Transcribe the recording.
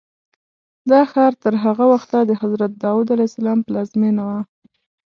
دا ښار تر هغه وخته د حضرت داود پلازمینه وه.